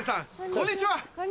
こんにちは。